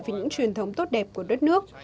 với những truyền thống tốt đẹp của đất nước